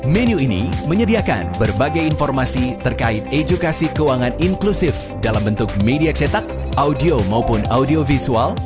menu ini menyediakan berbagai informasi terkait edukasi keuangan inklusif dalam bentuk media cetak audio maupun audio visual